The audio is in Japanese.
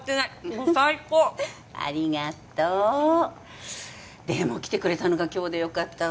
もう最高ありがとうでも来てくれたのが今日でよかったわ